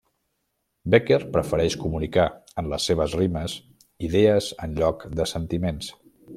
Bécquer prefereix comunicar en les seves rimes idees en lloc de sentiments.